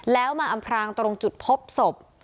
แล้วมาอำพรางตรงจุดพบศพ